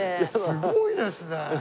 すごいですね。